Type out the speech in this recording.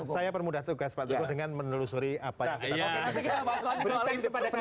saya permudah tugas pak jokowi dengan menelusuri apa yang kita lakukan